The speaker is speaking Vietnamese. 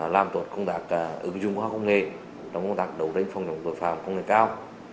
làm tốt công tác ứng dụng khoa học công nghệ đồng tạc đấu đánh phong trọng tội phạm công nghệ cao